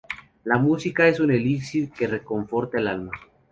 La música es un elixir que reconforta el alma